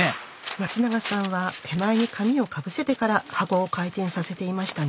松永さんは手前に紙をかぶせてから箱を回転させていましたね。